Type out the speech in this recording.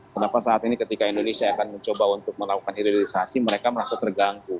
kenapa saat ini ketika indonesia akan mencoba untuk melakukan hilirisasi mereka merasa terganggu